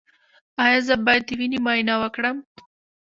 ایا زه باید د وینې معاینه وکړم؟